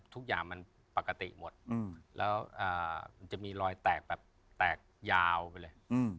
ทุกอย่างมันปกติหมดแล้วมันจะมีรอยแตกแบบแตกยาวไปเลย